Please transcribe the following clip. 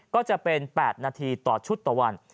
ก็จะเป็น๘นาทีต่อชุดต่อวัน